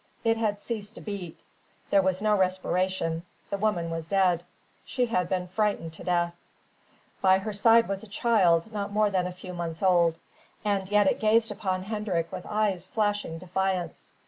It had ceased to beat. There was no respiration. The woman was dead: she had been frightened to death. By her side was a child not more than a few months old. And yet it gazed upon Hendrik with eyes flashing defiance.